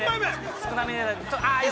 ◆少なめで。